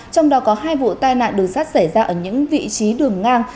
trong đó có hai vụ tai nạn đường sắt xảy ra ở những vị trí đường ngang